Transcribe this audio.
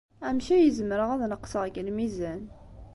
Amek ay zemreɣ ad neqseɣ deg lmizan?